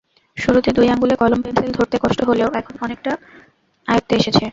শুরুতে দুই আঙুলে কলম-পেনসিল ধরতে কষ্ট হলেও এখন অনেকটা আয়ত্তে এসেছে।